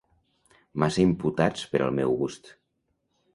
Massa imputats per al meu gust.